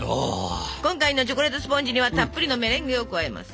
今回のチョコレートスポンジにはたっぷりのメレンゲを加えます。